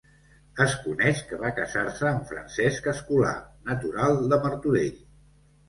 Es coneix que va casar-se amb Francesc Escolà, natural de Martorell.